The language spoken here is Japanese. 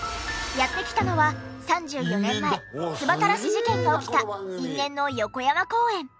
やって来たのは３４年前唾たらし事件が起きた因縁の横山公園。